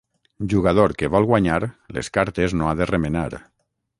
Jugador que vol guanyar, les cartes no ha de remenar.